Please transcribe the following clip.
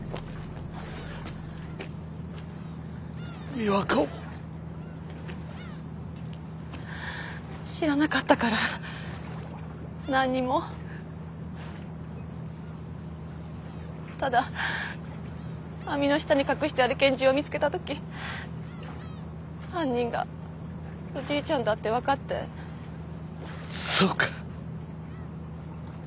美和子知らなかったから何にもただ網の下に隠してある拳銃を見つけた時犯人がおじいちゃんだって分かってそうか